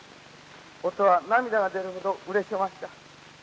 於兎は涙が出るほどうれしおました。